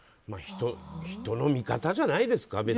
人の見方じゃないですか。